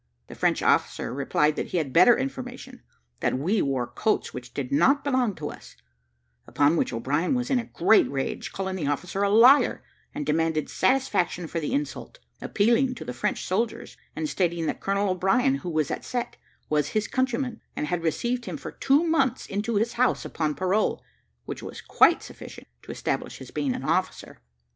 The French officer replied that he had better information, and that we wore coats which did not belong to us; upon which O'Brien was in a great rage, calling the officer a liar, and demanded satisfaction for the insult, appealing to the French soldiers, and stating that Colonel O'Brien, who was at Cette, was his countryman, and had received him for two months into his house upon parole, which was quite sufficient to establish his being an officer.